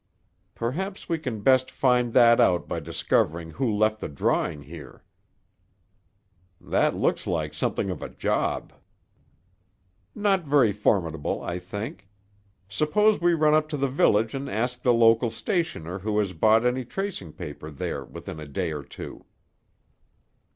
"Perhaps we can best find that out by discovering who left the drawing here." "That looks like something of a job." "Not very formidable, I think. Suppose we run up to the village and ask the local stationer who has bought any tracing paper there within a day or two."